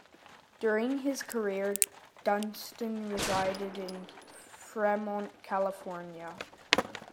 During his career, Dunston resided in Fremont, California.